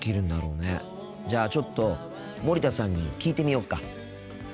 じゃあちょっと森田さんに聞いてみよっか。